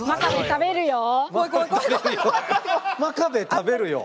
「真壁食べるよ」？